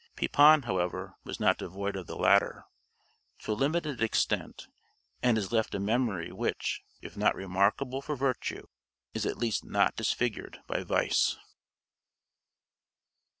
Pepin, however, was not devoid of the latter, to a limited extent, and has left a memory which, if not remarkable for virtue, is at least not disfigured by vice.